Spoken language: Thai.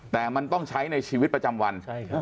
แต่มันต้องใช้ในชีวิตประจำวัน